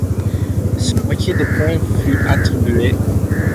Seule la moitié des points fut attribuée.